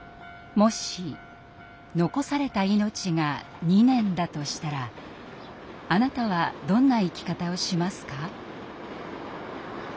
もし残された命が２年だとしたらあなたはどんな生き方をしますか？